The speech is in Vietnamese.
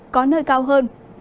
có nơi cao hơn